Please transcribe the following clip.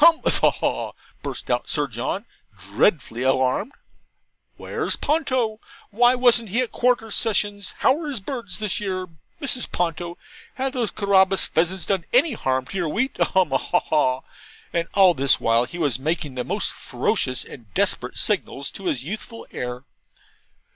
'Hum a ha a haw!' burst out Sir John, dreadfully alarmed. 'Where's Ponto? Why wasn't he at Quarter Sessions? How are his birds this year, Mrs. Ponto have those Carabas pheasants done any harm to your wheat? a hum a ha a haw!' and all this while he was making the most ferocious and desperate signals to his youthful heir.